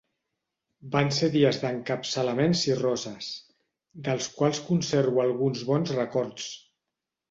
Van ser dies d'encapçalaments i roses, dels quals conservo alguns bons records.